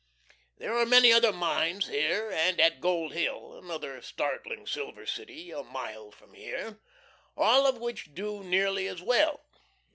There are many other mines here and at Gold Hill (another startling silver city, a mile from here), all of which do nearly as well.